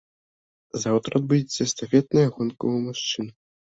Заўтра адбудзецца эстафетная гонка ў мужчын.